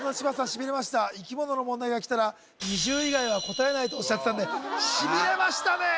シビレました生き物の問題がきたら２０以外は答えないとおっしゃってたんでシビレましたね